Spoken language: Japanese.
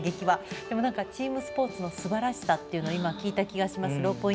でもチームスポーツのすばらしさっていうのを聞いた気がします。